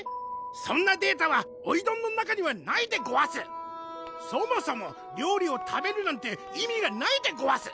そんなデータはおいどんの中にはないでごわすそもそも料理を食べるなんて意味がないでごわす！